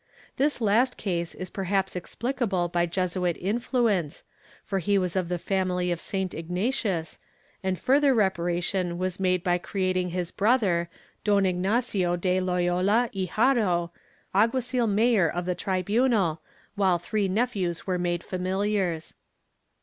This last case is perhaps explicable by Jesuit influence, for he was of the family of St. Ignatius, and further reparation was made by creating his brother, Don Ignacio de Loyola y Haro alguazil mayor of the tribunal, while three nephews were made famiUars.'